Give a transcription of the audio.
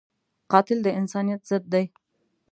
قاتل د انسانیت ضد دی